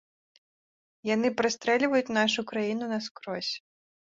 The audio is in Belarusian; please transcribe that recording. Яны прастрэльваюць нашу краіну наскрозь.